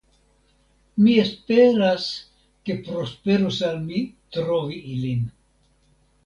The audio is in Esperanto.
Mi esperas, ke prosperos al mi trovi ilin.